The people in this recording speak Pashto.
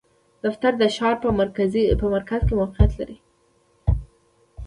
دفتر د ښار په مرکز کې موقعیت لری